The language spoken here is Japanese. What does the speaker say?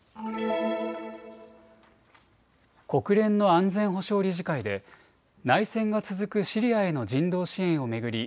国連の安全保障理事会で内戦が続くシリアへの人道支援を巡り